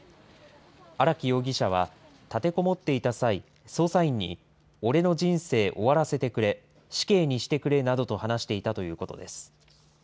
荒木容疑者は立てこもっていた際、捜査員に、俺の人生終わらせてくれ、死刑にしてくれなどと話していたということです。